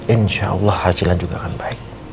insya allah hasilnya juga akan baik